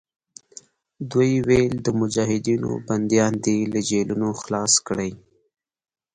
دوی ویل د مجاهدینو بندیان دې له جېلونو خلاص کړي.